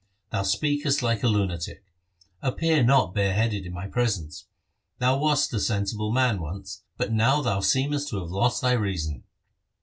Thou speakest like a lunatic. Appear not bare headed in my presence. Thou wast a sensible man once, but now thou seemest to have lost thy reason.'